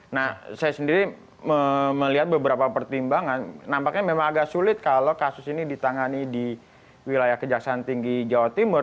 nah saya sendiri melihat beberapa pertimbangan nampaknya memang agak sulit kalau kasus ini ditangani di wilayah kejaksaan tinggi jawa timur